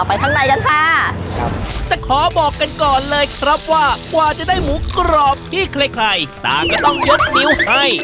ข้างในกันค่ะครับแต่ขอบอกกันก่อนเลยครับว่ากว่าจะได้หมูกรอบที่ใครใครต่างก็ต้องยกนิ้วให้